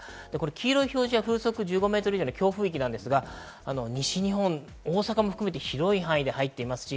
黄色い表示は風速１５メートル以上の強風域ですが、西日本、大阪も含めて広い範囲で入っています。